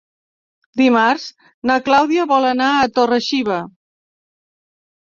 Dimarts na Clàudia vol anar a Torre-xiva.